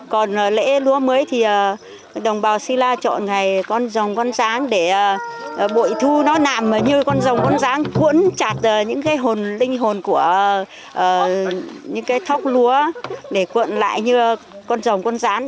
còn lễ lúa mới thì đồng bào si la chọn ngày con rồng con rán để bội thu nó nạm như con rồng con ráng cuốn chặt những cái hồn linh hồn của những cái thóc lúa để cuộn lại như con rồng con rán